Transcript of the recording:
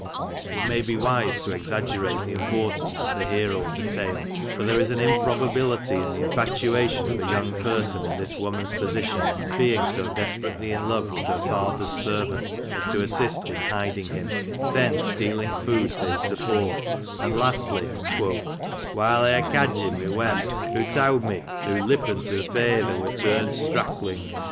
It may be wise to exaggerate the importance of the hero of a tale, but there is an improbability in the infatuation of a young person in this woman's position being so desperately in love with her father's servant as to assist in hiding him ; then stealing food for his support, and lastly, " while Vr cadging my wem hoo towd me hoo lipp'nt " hur feather wur turn'd strackling."